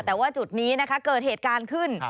แต่ว่าจุดนี้นะคะเกิดเหตุการณ์ขึ้น